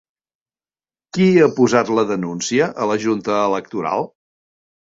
Qui ha posat la denúncia a la Junta electoral?